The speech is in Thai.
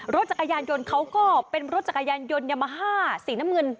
รถจักรยานยนต์เขาก็เป็นรถจักรยานยนต์ยามาฮ่าสีน้ำเงิน